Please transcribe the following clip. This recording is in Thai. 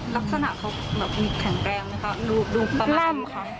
รักษณะเขามีแข็งแรงมั้ยคะ